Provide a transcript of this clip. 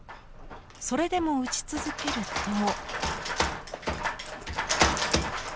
それでも打ち続けると。